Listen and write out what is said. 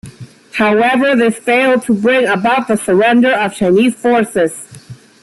However, this failed to bring about the surrender of Chinese forces.